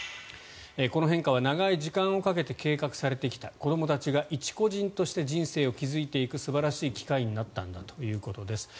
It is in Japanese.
この変化は長い時間をかけて計画されてきた子どもたちが一個人として人生を築いていく素晴らしい機会になったんだということです。